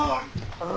ああ！